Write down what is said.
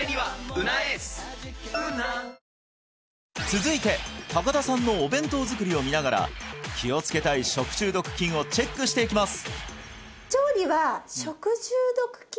続いて高田さんのお弁当作りを見ながら気をつけたい食中毒菌をチェックしていきます